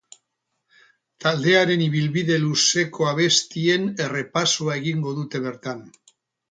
Taldearen ibilbide luzeko abestien errepasoa egingo dute bertan.